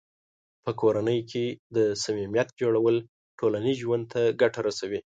په کورنۍ کې د صمیمیت جوړول ټولنیز ژوند ته ګټه رسوي.